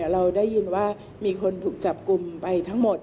เราได้ยินว่ามีคนถูกจับกลุ่มไปทั้งหมด